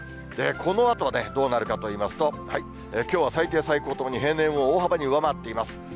このあとどうなるかといいますと、きょうは最低、最高ともに平年を大幅に上回っています。